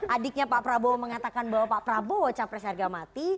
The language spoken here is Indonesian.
adiknya pak prabowo mengatakan bahwa pak prabowo capres harga mati